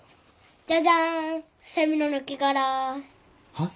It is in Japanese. はっ？